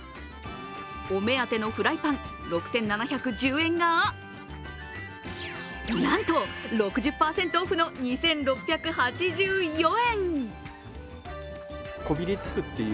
お目当てのフライパン６７１０円がなんと６０％オフの２６８４円。